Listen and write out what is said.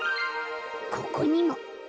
ここにも。